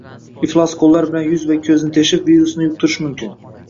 Iflos qo'llar bilan yuz va ko'zni teshib virusni yuqtirish mumkin;